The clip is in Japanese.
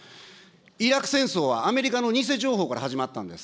イラク戦争はアメリカの偽情報から始まったんです。